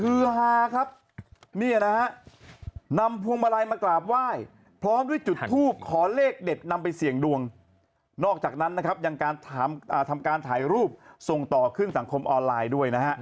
สูงประมาณ๑เมตรชาวบ้านเหือฮาครับนี่นะฮะนำพวงมาลัยมากราบไหว้